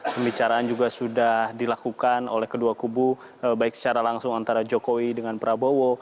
pembicaraan juga sudah dilakukan oleh kedua kubu baik secara langsung antara jokowi dengan prabowo